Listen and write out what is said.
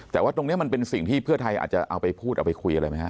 แต่ว่าตรงนี้มันเป็นสิ่งที่เพื่อไทยอาจจะเอาไปพูดเอาไปคุยอะไรไหมฮะ